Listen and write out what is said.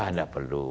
dah gak perlu